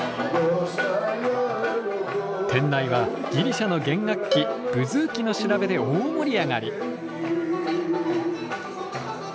店内はギリシャの弦楽器ブズーキの調べで大盛り上がり。